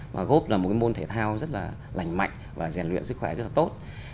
và gốp là một môn thể thao rất là lành mạnh và giàn luyện sức khỏe rất là tốt